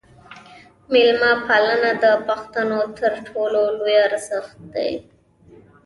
میلمه پالنه د پښتنو تر ټولو لوی ارزښت دی.